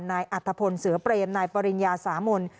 อัตภพลเสือเปรมนายปริญญาสามน